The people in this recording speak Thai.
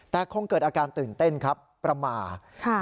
แต่คงเกิดอาการตื่นเต้นครับประมาท